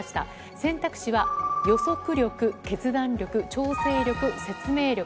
選択肢は予測力、決断力、調整力、説明力。